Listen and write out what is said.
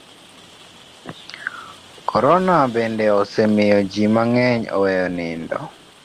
Korona bende osemiyo ji mang'eny oweyo nindo.